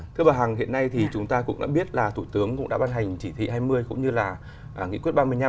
thưa bà hằng hiện nay thì chúng ta cũng đã biết là thủ tướng cũng đã ban hành chỉ thị hai mươi cũng như là nghị quyết ba mươi năm